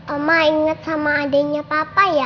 oma inget sama adiknya papa ya